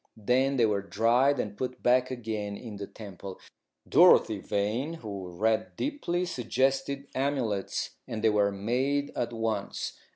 Then they were dried and put back again in the temple. Dorothy Vane, who read deeply, suggested amulets, and they were made at once.